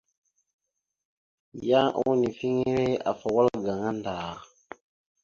Yan unifiŋere afa wal gaŋa ndar.